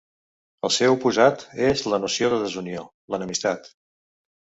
El seu oposat és la noció de desunió, l'enemistat.